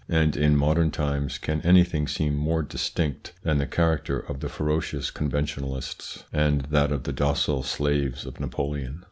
and in modern times, can anything seem more distinct than the character of the ferocious Conventionalists and that of the docile slaves of Napoleon